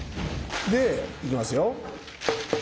でいきますよ！